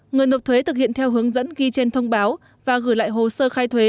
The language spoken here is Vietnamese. người nộp thuế thực hiện theo hướng dẫn ghi trên thông báo và gửi lại hồ sơ khai thuế